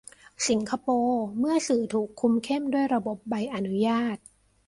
สิงคโปร์ เมื่อสื่อถูกคุมเข้มด้วยระบบใบอนุญาต